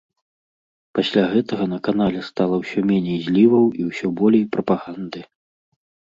Пасля гэтага на канале стала ўсё меней зліваў і ўсё болей прапаганды.